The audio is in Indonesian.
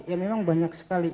ya memang banyak sekali